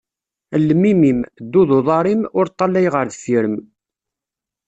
Llem imi-im, ddu d uḍar-im, ur ṭalay ɣer deffir-m.